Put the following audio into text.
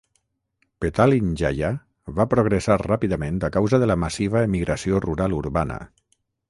Petalin Jaya va progressar ràpidament a causa de la massiva emigració rural-urbana.